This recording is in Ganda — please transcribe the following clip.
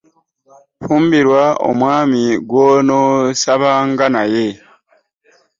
Fumbirwa omwaami gwo no Saba nga naye.